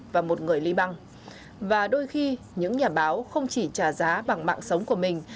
và một người liban và đôi khi những nhà báo không chỉ trả giá bằng mạng sống của mình